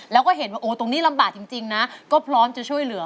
แล้วก็เห็นว่าโอ้ตรงนี้ลำบากจริงนะก็พร้อมจะช่วยเหลือ